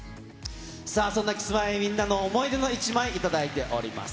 さあ、そんなキスマイのみんなの思い出の１枚、頂いております。